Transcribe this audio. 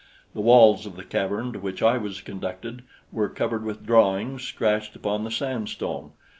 The walls of the cavern to which I was conducted were covered with drawings scratched upon the sandstone.